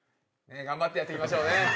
頑張ってやっていきましょうね。